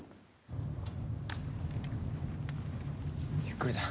ゆっくりだ。